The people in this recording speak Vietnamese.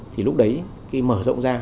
thì lúc đấy cái mở rộng ra